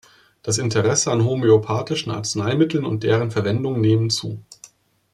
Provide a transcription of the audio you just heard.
Das Interesse an homöopathischen Arzneimitteln und deren Verwendung nehmen zu.